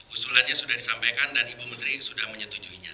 usulannya sudah disampaikan dan ibu menteri sudah menyetujuinya